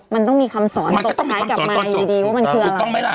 มันก็ต้องมีคำสอนตกท้ายกลับมาอยู่ดีว่ามันคืออะไร